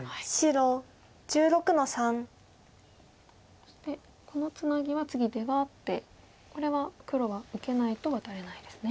そしてこのツナギは次出があってこれは黒は受けないとワタれないですね。